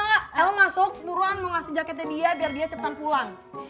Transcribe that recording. el masuk seburuan mau ngasih jaketnya dia biar dia cepetan pulang